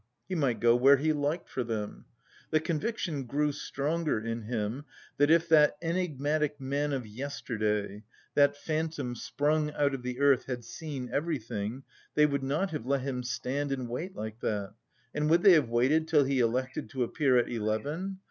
He might go where he liked for them. The conviction grew stronger in him that if that enigmatic man of yesterday, that phantom sprung out of the earth, had seen everything, they would not have let him stand and wait like that. And would they have waited till he elected to appear at eleven?